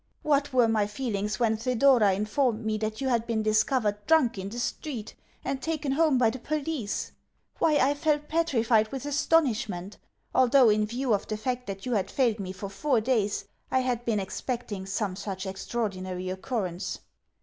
What were my feelings when Thedora informed me that you had been discovered drunk in the street, and taken home by the police? Why, I felt petrified with astonishment although, in view of the fact that you had failed me for four days, I had been expecting some such extraordinary occurrence.